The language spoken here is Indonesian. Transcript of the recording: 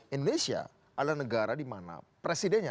indonesia adalah negara dimana presidennya